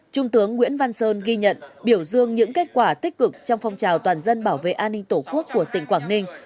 trung tướng nguyễn văn sơn ghi nhận biểu dương những kết quả tích cực trong phong trào toàn dân bảo vệ an ninh tổ quốc của tỉnh quảng ninh